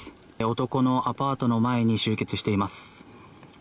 男のアパートの前に集結しています。